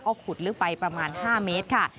ขุดลึกไปประมาณ๕เมตรค่ะ